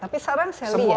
tapi sekarang sally ya